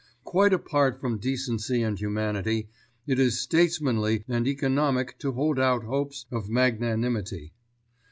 Quite apart from decency and humanity, it is statesmanly and economic to hold out hopes of magnanimity.